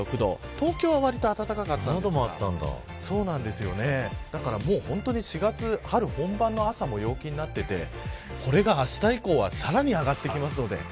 東京は割と暖かかったんですがだから、４月春本番の朝の陽気になっていてこれがあした以降はさらに上がってきますので。